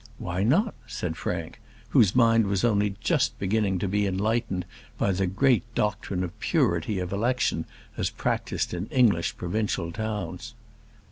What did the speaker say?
"Why not?" said Frank, whose mind was only just beginning to be enlightened by the great doctrine of purity of election as practised in English provincial towns.